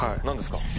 何ですか？